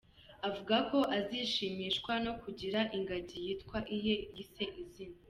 Avuga ko azashimishwa no kugira ingagi yitwa iye, yise izina.